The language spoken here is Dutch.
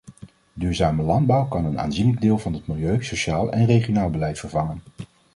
Duurzame landbouw kan een aanzienlijk deel van het milieu-, sociaal en regionaal beleid vervangen.